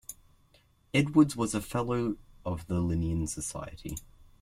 Edwards was a Fellow of the Linnean Society.